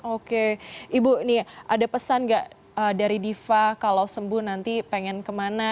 oke ibu nih ada pesan gak dari diva kalau sembuh nanti pengen kemana